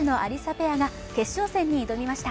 ペアが決勝戦に挑みました。